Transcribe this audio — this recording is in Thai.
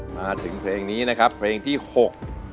มาถึงเพลงนี้นะครับเพลงที่หก